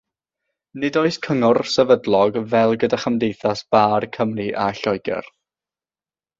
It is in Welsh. Nid oes cyngor sefydlog fel gyda chymdeithas Bar Cymru a Lloegr.